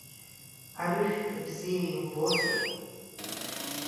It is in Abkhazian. Арыжәтә бзиа илбозар…